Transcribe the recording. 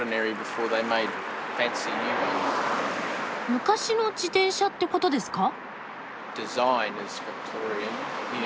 昔の自転車ってことですか？